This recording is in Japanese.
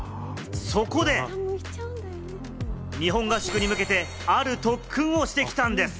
そこで、日本合宿に向けてある特訓をしてきたんです。